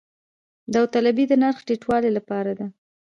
داوطلبي د نرخ ټیټولو لپاره ده